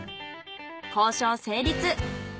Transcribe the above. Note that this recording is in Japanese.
交渉成立。